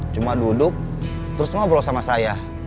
cuma duduk terus ngobrol sama saya